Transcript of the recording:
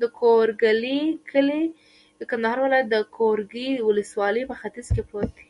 د ګورکي کلی د کندهار ولایت، ګورکي ولسوالي په ختیځ کې پروت دی.